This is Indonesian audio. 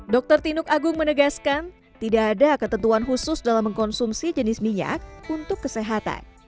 dr tinuk agung menegaskan tidak ada ketentuan khusus dalam mengkonsumsi jenis minyak untuk kesehatan